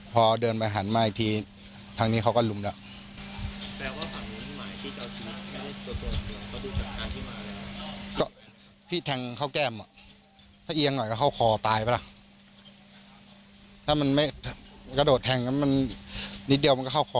พอเดินออกไปหันมาให้ที